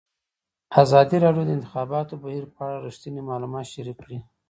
ازادي راډیو د د انتخاباتو بهیر په اړه رښتیني معلومات شریک کړي.